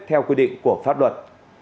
theo quy định của pháp luật